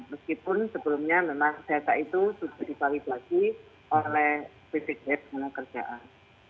meskipun sebelumnya memang data itu sudah divalid lagi oleh bgjs naga kerjaan